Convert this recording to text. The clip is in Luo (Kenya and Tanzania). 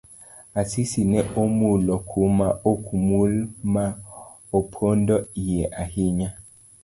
Asisi ne omulo kuma okmul ma opondo iye ahinya.